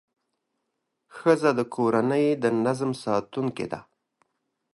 ښځه د کورنۍ د نظم ساتونکې ده.